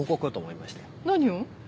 何を？